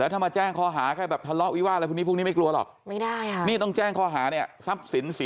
เป็นตรวจสอบพอรับทราบแล้วนะครับ